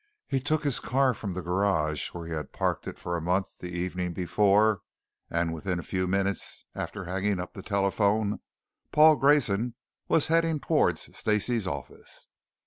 He took his car from the garage where he had parked it for a month the evening before, and within a few minutes after hanging up the telephone, Paul Grayson was heading towards Stacey's office.